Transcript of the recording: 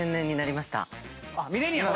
ミレニアム？